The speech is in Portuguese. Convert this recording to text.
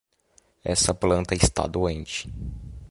Essa planta está doente.